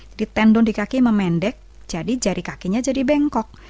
jadi tendon di kaki memendek jadi jari kakinya jadi bengkok